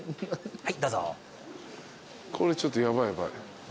はい？